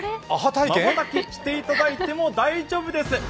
まばたきしていただいても大丈夫です。